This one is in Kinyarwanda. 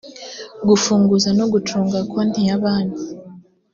gufunguza no gucunga konti za banki